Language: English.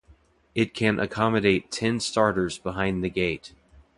It can accommodate ten starters behind the gate.